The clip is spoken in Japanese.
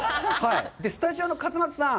スタジオの勝俣さん。